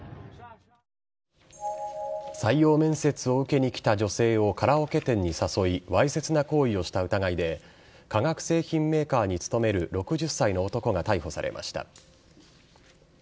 採用面接を受けに来た女性をカラオケ店に誘いわいせつな行為をした疑いで化学製品メーカーに勤める６０歳の男が逮捕されました。